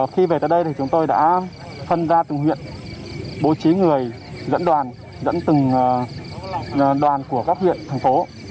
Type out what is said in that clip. khi về tới đây thì chúng tôi đã phân ra từng huyện bố trí người dẫn đoàn dẫn từng đoàn của các huyện thành phố